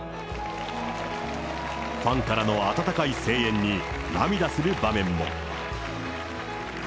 ファンからの温かい声援に、涙する場面も。